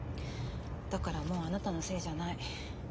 だからもうあなたのせいじゃない。